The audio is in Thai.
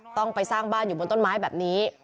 ต้องไปสร้างบ้านอยู่บนต้นไม้แบบนี้